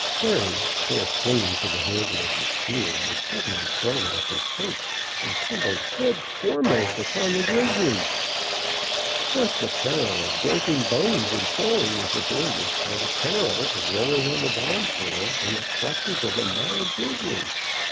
Perry, still clinging to the handle of the spear, was suddenly thrown off his perch and tumbled head foremost upon the grizzly! Thus the peril of breaking bones in falling was avoided in the peril of rolling on the barn floor in the clutches of a mad grizzly!